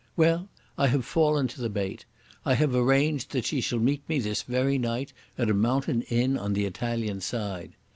Well, I have fallen to the bait. I have arranged that she shall meet me this very night at a mountain inn on the Italian side.